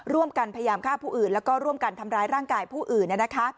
ร่วมกันพยายามฆ่าผู้อื่นแล้วก็ร่วมกันทำร้ายร่างกายผู้อื่น